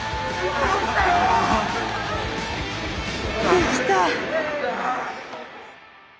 できた。